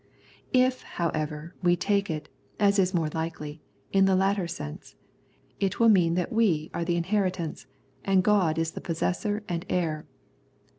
If, however, we take it, as is more likely, in the latter sense, it will mean that we are the inheritance and God is the Possessor and Heir.